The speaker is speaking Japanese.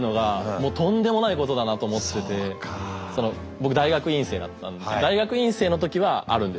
僕大学院生だった大学院生の時はあるんです